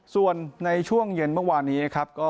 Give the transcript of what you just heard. ส่วนในช่วงเย็นเมื่อวานนี้นะครับ